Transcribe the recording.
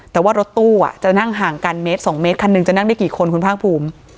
แต่ว่ารถตู้จะนั่งห่างกันเมตร๒เมตรคันหนึ่งจะนั่งได้กี่คนคุณภาคภูมิ